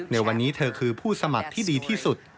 ในวันนี้เธอคือผู้สมัครที่ดีที่สุด